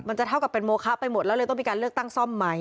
จะเท่ากับเป็นโมคะไปหมดแล้วเลยต้องมีการเลือกตั้งซ่อมไหม